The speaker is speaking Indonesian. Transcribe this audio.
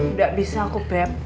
udah bisa aku